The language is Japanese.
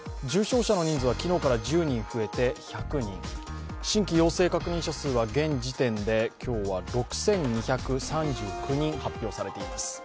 重症者の人数は昨日から１０人増えて１００人、新規陽性確認者数は現時点で６２３９人発表されています。